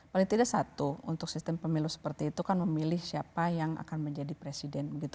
paling tidak satu untuk sistem pemilu seperti itu kan memilih siapa yang akan menjadi presiden begitu